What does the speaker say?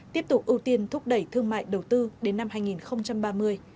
tiếp tục ưu tiên thúc đẩy thương mại đầu tư đến năm hai nghìn ba mươi